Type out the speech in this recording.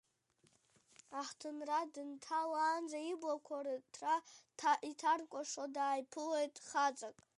Аҳҭынра дынҭалаанӡа, иблақәа рыҭра иҭаркәашо, дааиԥылеит хаҵак.